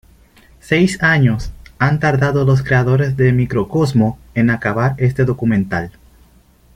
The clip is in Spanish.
Seis años han tardado los creadores de "Microcosmos" en acabar este documental.